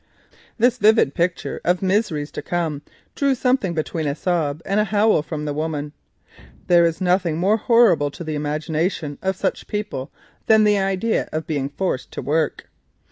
This vivid picture of miseries to come drew something between a sob and a howl from the woman. There is nothing more horrible to the imagination of such people than the idea of being forced to work.